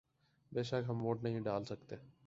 بے شک ہم ووٹ نہیں ڈال سکتے